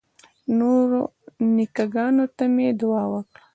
نورو نیکه ګانو ته مې دعا وکړه.